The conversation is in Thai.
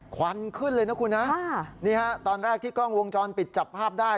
ควันขึ้นเลยนะคุณนะนี่ฮะตอนแรกที่กล้องวงจรปิดจับภาพได้